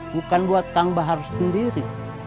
bukan buat kang bahar sendiri